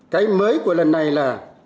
cái mới của lần này là